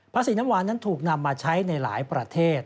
สีน้ำหวานนั้นถูกนำมาใช้ในหลายประเทศ